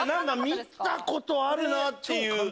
見たことあるなっていう。